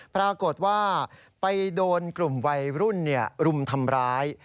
ปรากฏว่าไปโดนกลุ่มวัยรุ่นรุมทำร้าย